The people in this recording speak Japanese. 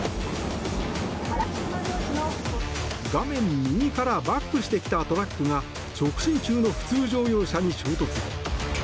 画面右からバックしてきたトラックが直進中の普通乗用車に衝突。